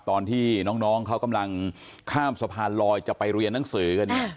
ตอนที่น้องเขากำลังข้ามสะพานลอยจะไปเรียนหนังสือกันเนี่ย